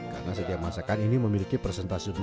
karena setiap masakan ini memiliki presentasionalnya